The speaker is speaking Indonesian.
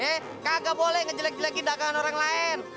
eh kagak boleh ngejelek jelekin dakaan orang lain